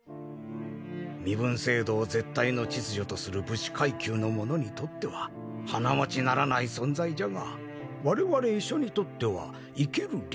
身分制度を絶対の秩序とする武士階級の者にとっては鼻持ちならない存在じゃがわれわれ医者にとっては生ける理想じゃ。